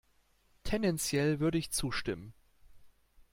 Tendenziell würde ich zustimmen.